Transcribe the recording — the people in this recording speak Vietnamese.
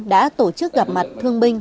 đã tổ chức gặp mặt thương binh